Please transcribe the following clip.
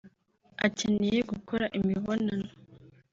Akeneye gukora imibonano